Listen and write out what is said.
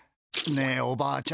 ねえおばあちゃん。